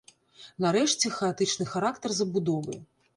Нарэшце, хаатычны характар забудовы.